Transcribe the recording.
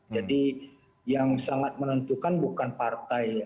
jadi yang sangat menentukan bukan partai